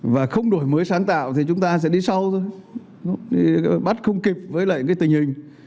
và không đổi mới sáng tạo thì chúng ta sẽ đi sau thôi bắt không kịp với lại cái tình hình